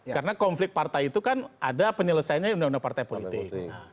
karena konflik partai itu kan ada penyelesaiannya undang undang partai politik